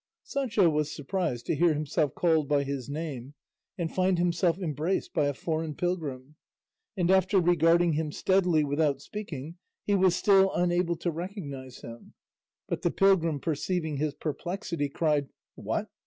Sancho was surprised to hear himself called by his name and find himself embraced by a foreign pilgrim, and after regarding him steadily without speaking he was still unable to recognise him; but the pilgrim perceiving his perplexity cried, "What!